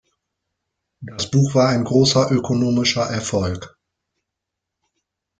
Das Buch war ein großer ökonomischer Erfolg.